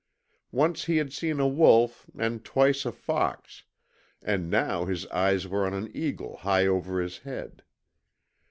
Once he had seen a wolf, and twice a fox, and now his eyes were on an eagle high over his head.